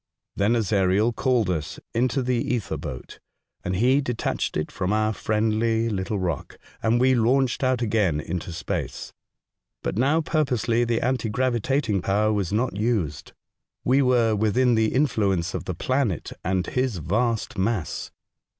Then Ezariel called us into the ether boat, and he detached it from our friendly little rock, and we launched out again into space. But now purposely the anti gravitating power was The Voyage Through Space, 161 not used. We were within the influence of the planet and his vast mass.